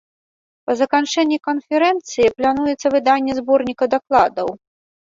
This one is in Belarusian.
Па заканчэнні канферэнцыі плануецца выданне зборніка дакладаў.